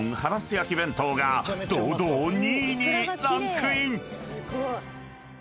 焼き弁当が堂々２位にランクイン！］